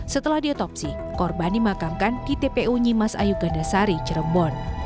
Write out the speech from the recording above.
setelah diotopsi korban dimakamkan di tpu nyimas ayu gandasari cirebon